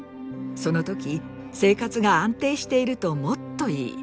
その時生活が安定しているともっといい。